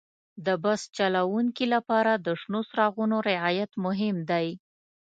د بس چلوونکي لپاره د شنو څراغونو رعایت مهم دی.